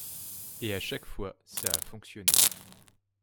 Et à chaque fois, ça a fonctionné.